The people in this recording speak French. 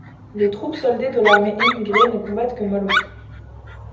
Les troupes soldées de l'armée émigrée ne combattent que mollement.